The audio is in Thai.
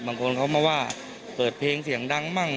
บางคนเขามาว่าเปิดเพลงเสียงดังมั่ง